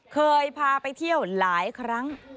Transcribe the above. เคยพาไปเที่ยวหลายครั้ง